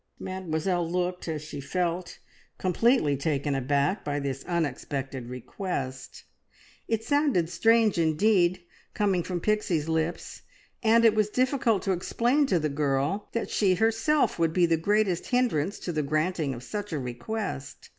Mademoiselle looked, as she felt, completely taken aback by this unexpected request. It sounded strange indeed coming from Pixie's lips, and it was difficult to explain to the girl that she herself would be the greatest hindrance to the granting of such a request.